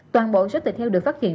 toàn bộ suất thịt heo được phát hiện